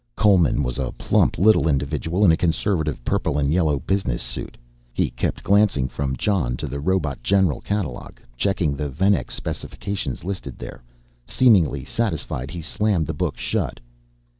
Coleman was a plump little individual in a conservative purple and yellow business suit. He kept glancing from Jon to the Robot General Catalog checking the Venex specifications listed there. Seemingly satisfied he slammed the book shut.